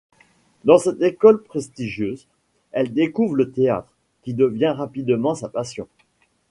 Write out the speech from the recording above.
Dans cette école prestigieuses, elle découvre le théâtre, qui devient rapidement sa passion.